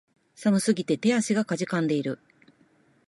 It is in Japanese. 寒すぎて手足が悴んでいる